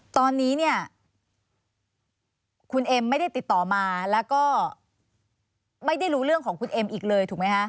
ตอนนี้เนี่ยคุณเอ็มไม่ได้ติดต่อมาแล้วก็ไม่ได้รู้เรื่องของคุณเอ็มอีกเลยถูกไหมคะ